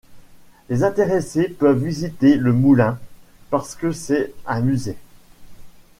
Les intéressés peuvent visiter le moulin, parce que c'est un musée.